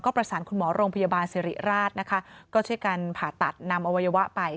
ประสานคุณหมอโรงพยาบาลสิริราชนะคะก็ช่วยกันผ่าตัดนำอวัยวะไป